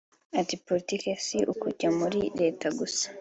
Ati “Politike si ukujya muri Leta gusa